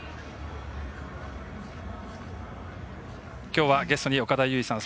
きょうはゲストに岡田結実さん